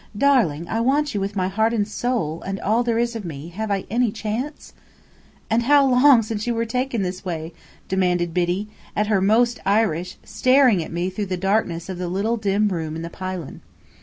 "Darling, I want you with my heart and soul, and all there is of me. Have I any chance?" "And how long since were you taken this way?" demanded Biddy, at her most Irish, staring at me through the darkness of the little dim room in the pylon.